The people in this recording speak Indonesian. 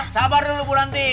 sabar dulu bu ranti